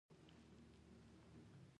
هغوی د خپلو میلمنو ښه خدمت کوي